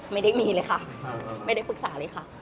ไม่ได้มีเลยค่ะไม่ได้ปรึกษาเลยค่ะ